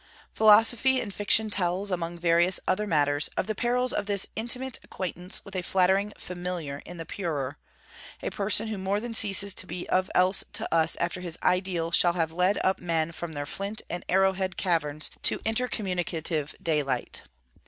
Philosophy in fiction tells, among various other matters, of the perils of this intimate acquaintance with a flattering familiar in the 'purer' a person who more than ceases to be of else to us after his ideal shall have led up men from their flint and arrowhead caverns to intercommunicative daylight.